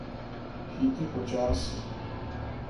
Hiti počasi.